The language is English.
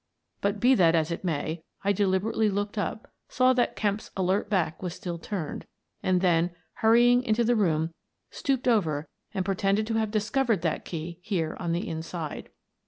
But be that as it may, I deliberately looked up, saw that Kemp's alert back was still turned, and then, hurrying into the room, stooped over and pretended to have discovered that key there on the inside.